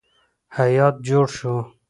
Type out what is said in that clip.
هیات جوړ شو.